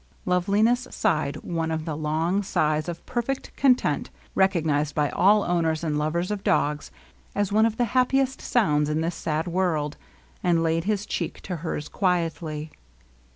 Loveliness sighed one of the long sighs of perfect content recognized by all owners and lovers of dogs as one of the happi est sounds in this sad world, and laid his cheek to hers quietly.